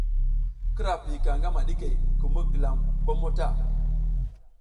Kira piyika ngama ɗikey kum mi gilam bommo ta.